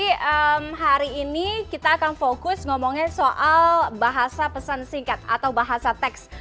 pada saat ini kita akan fokus ngomongnya soal bahasa pesan singkat atau bahasa teks